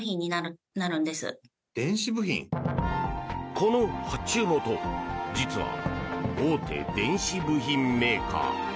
この発注元実は大手電子部品メーカー。